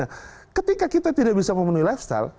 nah ketika kita tidak bisa memenuhi lifestyle